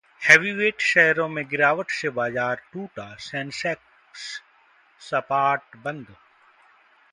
heavyweight शेयरों में गिरावट से बाजार टूटा, सेंसेक्स सपाट बंद